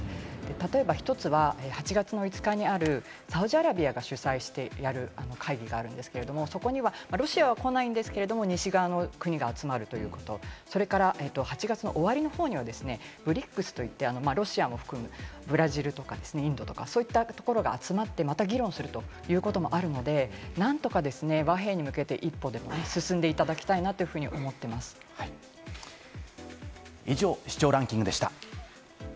例えば１つは、８月５日にあるサウジアラビアが主催してやる会議があるんですけれども、そこにはロシアは来ないんですが、西側の国が集まるということ、それから８月の終わりの方には、ＢＲＩＣｓと言って、ロシアも含むブラジルとかインドとか、そういったところが集まって、また議論するということもあるので、何とか和平に向けて一歩でも進んでいただきたいなというふうに思以上、視聴ランキングでした。